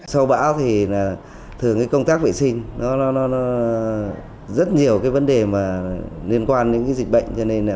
sau bão thì thường công tác vệ sinh rất nhiều vấn đề liên quan đến dịch bệnh